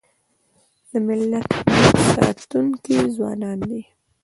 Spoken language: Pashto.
د ملت د هویت ساتونکي ځوانان دي.